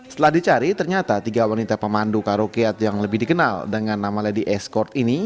setelah dicari ternyata tiga wanita pemandu karaoke atau yang lebih dikenal dengan nama lady escord ini